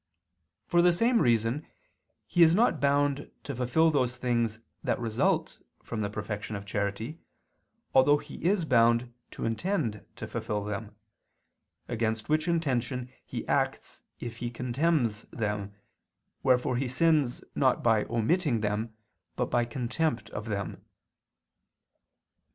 For the same reason he is not bound to fulfil those things that result from the perfection of charity, although he is bound to intend to fulfil them: against which intention he acts if he contemns them, wherefore he sins not by omitting them but by contempt of them.